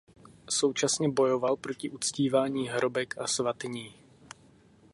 Současně bojoval proti uctívání hrobek a svatyní.